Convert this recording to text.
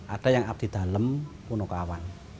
ada yang abdi dalam punukawan